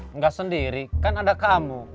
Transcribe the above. enggak sendiri kan ada kamu